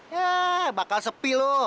yah bakal sepi lu